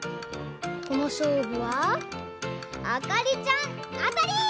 このしょうぶはあかりちゃんあたり！